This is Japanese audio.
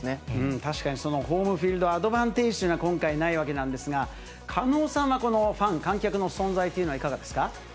確かにホームフィールドアドバンテージというのが、今回ないわけですが、狩野さんはこのファン、観客の存在というのはいかがですか。